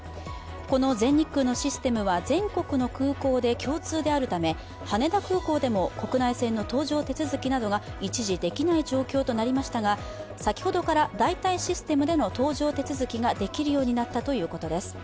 この全日空のシステムは全国の空港で共通であるため羽田空港でも国内線の搭乗手続きなどが一時できない状況となりましたが、先ほどから代替システムでの搭乗手続きができるようになったということです。